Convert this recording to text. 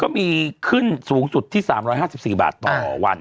ขึ้นสูงสุดที่๓๕๔บาทต่อวัน